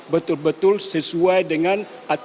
betul betul sesuai dengan aturan ahli maksiat